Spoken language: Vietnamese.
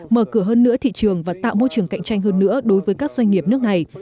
mở cửa hơn nữa thị trường và tạo môi trường cạnh tranh hơn nữa đối với các doanh nghiệp nước này